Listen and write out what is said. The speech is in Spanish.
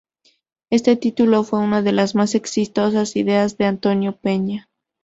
Este título fue una de las más exitosas ideas de Antonio Peña.